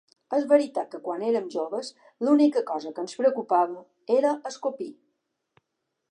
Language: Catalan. És veritat que quan érem joves l’única cosa que ens preocupava era escopir.